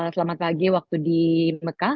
selamat pagi waktu di mekah